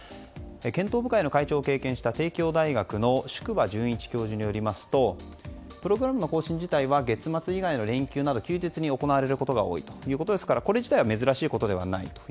検討部会を経験した帝京大学の宿輪教授によりますとプログラムの更新は月末以外の連休など休日に行われることが多いそうなのでこれ自体は珍しいことではない。